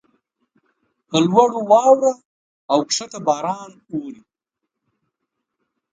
پر لوړو واوره اوکښته باران اوري.